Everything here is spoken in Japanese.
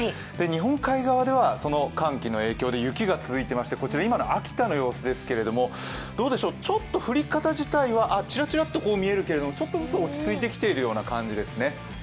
日本海側ではその寒気の影響で雪が続いてまして、こちら、今の秋田の様子ですけれどもどうでしょう、ちょっと降り方自体はちらちらっと見えますけどちょっとずつ落ち着いてきているような感じですね。